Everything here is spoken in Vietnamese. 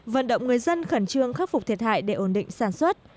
vận động người dân khẩn trương khắc phục thiệt hại để ổn định sản xuất